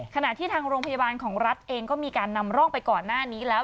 ขณะที่ทางโรงพยาบาลของรัฐเองก็มีการนำร่องไปก่อนหน้านี้แล้ว